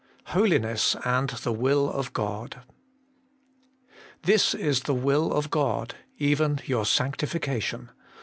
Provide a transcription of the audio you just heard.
Holiness antr tfje Mill of ' This is the will of God, even your sanctification.